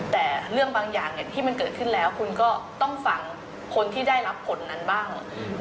แต่เรื่องบางอย่างที่มันเกิดขึ้นแล้วคุณก็ต้องฟังคนที่ได้รับผลนั้นบ้าง